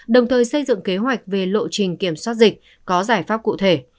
đồng thời xây dựng kế hoạch về lộ trình kiểm soát dịch có giải pháp cụ thể